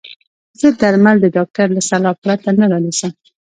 زه درمل د ډاکټر له سلا پرته نه رانيسم.